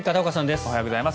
おはようございます。